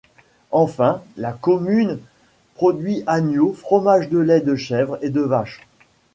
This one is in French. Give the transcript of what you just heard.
Enfin, la commune produit agneaux, fromages de lait de chèvre et de vache.